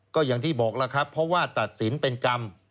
ก็อย่างที่บอกแล้วครับเพราะว่าตัดสินเป็นกรรม